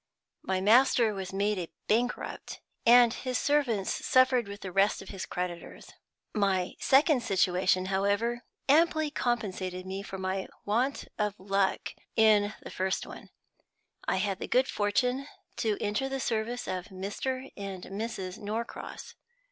My master was made a bankrupt, and his servants suffered with the rest of his creditors. My second situation, however, amply compensated me for my want of luck in the first. I had the good fortune to enter the service of Mr. and Mrs. Norcross.